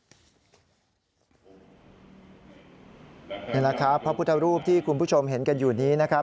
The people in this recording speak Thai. นี่แหละครับพระพุทธรูปที่คุณผู้ชมเห็นกันอยู่นี้นะครับ